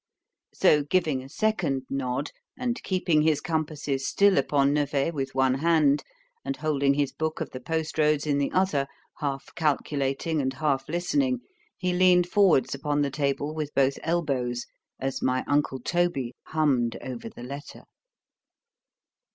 —So giving a second nod—and keeping his compasses still upon Nevers with one hand, and holding his book of the post roads in the other—half calculating and half listening, he leaned forwards upon the table with both elbows, as my uncle Toby hummed over the letter.